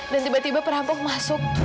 dan tiba tiba perhampok masuk